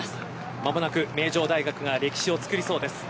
間もなく名城大学が歴史を作りそうです。